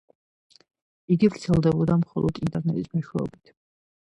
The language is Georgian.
იგი ვრცელდებოდა მხოლოდ ინტერნეტის მეშვეობით.